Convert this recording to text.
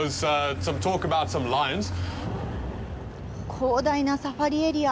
広大なサファリエリア。